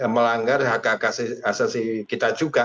melanggar hak hak asasi kita juga